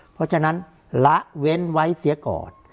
เพราะฉะนั้นละเว้นไว้เสียก่อน